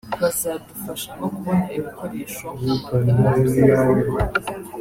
Bazadufasha no kubona ibikoresho nk’amagare